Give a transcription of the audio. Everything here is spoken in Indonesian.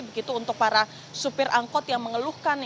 begitu untuk para supir angkot yang mengeluhkan